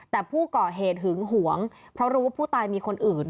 แต่ผู้ก่อเหตุหึงหวงเพราะรู้ว่าผู้ตายมีคนอื่น